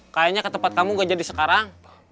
kayaknya ke tempat kamu gak jadi sekarang